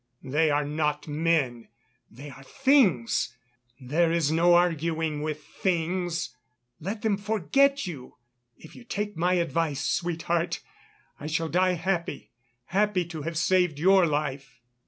They are not men, they are things; there is no arguing with things. Let them forget you; if you take my advice, sweetheart, I shall die happy, happy to have saved your life."